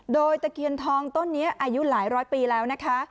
โดยตะเคียนทองต้นนี้อายุหลายร้อยปีแล้วนะคะ